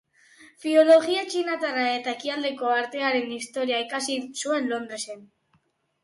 Filologia Txinatarra eta Ekialdeko Artearen Historia ikasi zuen Londresen.